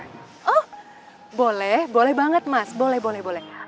oh boleh boleh banget mas boleh boleh